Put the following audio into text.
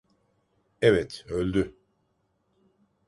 Evet, öldü.